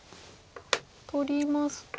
取りますと。